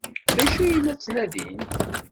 D acu ay la ttnadint?